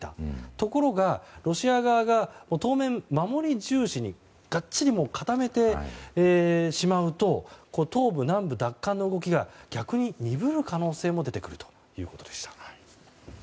ところが、ロシア側が当面、守り重視にがっちり固めてしまうと東部、南部奪還の動きが逆に鈍る可能性も出てくるということでした。